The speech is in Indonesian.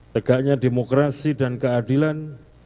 tegaknya demokrasi dan keadilan